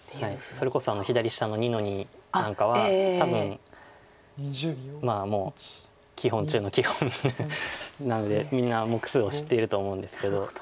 それこそ左下の２の二なんかは多分まあもう基本中の基本なのでみんな目数を知ってると思うんですけど。